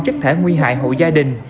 chất thể nguy hại hộ gia đình